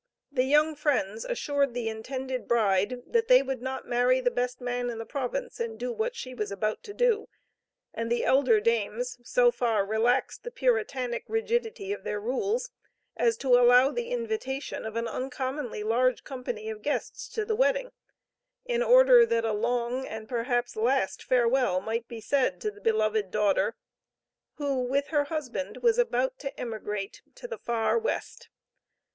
The young Friends assured the intended bride, that they would not marry the best man in the Province and do what she was about to do; and the elder dames, so far relaxed the Puritanic rigidity of their rules, as to allow the invitation of an uncommonly large company of guests to the wedding, in order that a long and perhaps last farewell, might be said to the beloved daughter, who, with her husband, was about to emigrate to the "far West."